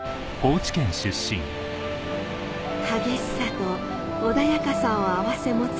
激しさと穏やかさを併せ持つ